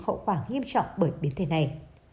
khẩu quả nghiêm trọng bởi biến thể này